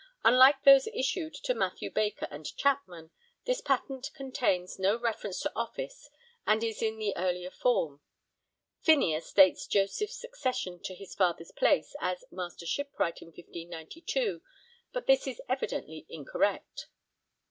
Unlike those issued to Mathew Baker and Chapman, this patent contains no reference to office and is in the earlier form. Phineas (see p. 4) dates Joseph's succession to his father's place as Master Shipwright in 1592, but this is evidently incorrect.